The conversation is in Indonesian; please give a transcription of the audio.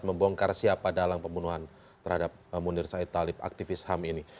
membongkar siapa dalang pembunuhan terhadap munir said talib aktivis ham ini